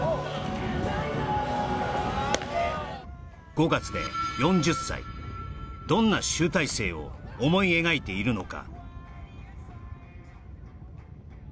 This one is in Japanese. ５月で４０歳どんな集大成を思い描いているのか？